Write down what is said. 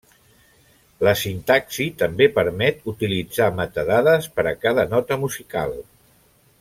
La sintaxi també permet utilitzar metadades per a cada nota musical.